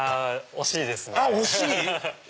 惜しい？